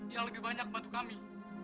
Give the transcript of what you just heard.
yang lebih banyak bantu kami